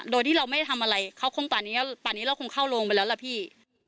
โดยที่เราไม่ได้ทำอะไรเขาคงตอนนี้ตอนนี้เราคงเข้าโรงไปแล้วล่ะพี่